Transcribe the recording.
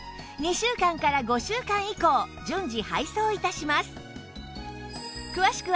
２週間から５週間以降順次配送致します